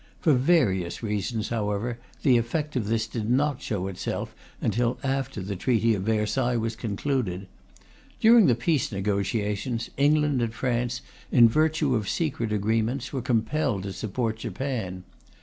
For various reasons, however, the effect of this did not show itself until after the Treaty of Versailles was concluded. During the peace negotiations, England and France, in virtue of secret agreements, were compelled to support Japan.